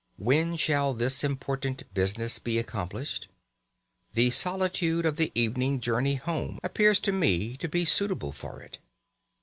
When shall this important business be accomplished? The solitude of the evening journey home appears to me to be suitable for it.